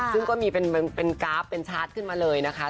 ซึ่งก็มีเป็นกราฟเป็นชาร์จขึ้นมาเลยนะคะ